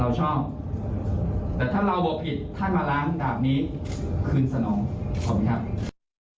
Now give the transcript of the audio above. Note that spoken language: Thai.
ท่านมาล้างดาบนี้คืนสนอง